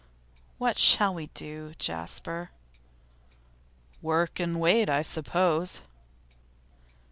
'What shall we do, Jasper?' 'Work and wait, I suppose.